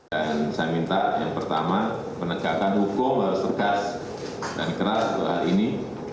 dan saya minta yang pertama penekakan hukum harus sekas dan keras untuk hal ini